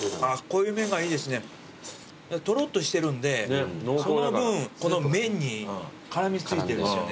トロッとしてるんでその分この麺に絡み付いてるんですよね。